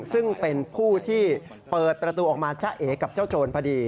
ซึ่งเป็นผู้ที่เปิดประตูออกมาจ้าเอกับเจ้าโจรพอดี